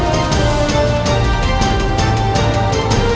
โปรดติดตามตอนต่อไป